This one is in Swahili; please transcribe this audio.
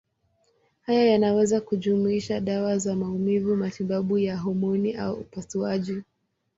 Haya yanaweza kujumuisha dawa za maumivu, matibabu ya homoni au upasuaji.